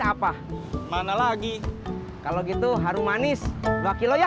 apa mana lagi kalau gitu harum manis dua kilo ya siap